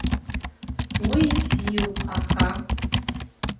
Уи бзиоуп, аха.